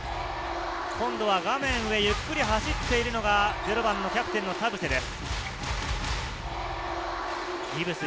今度は画面上、ゆっくり走っているのが０番のキャプテンの田臥です。